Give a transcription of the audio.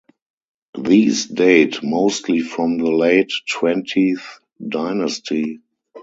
These date mostly from the late Twentieth Dynasty.